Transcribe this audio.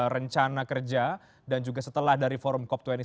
rencana kerja dan juga setelah dari forum cop dua puluh